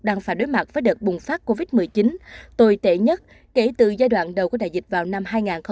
đang phải đối mặt với đợt bùng phát covid một mươi chín tồi tệ nhất kể từ giai đoạn đầu của đại dịch vào năm hai nghìn hai mươi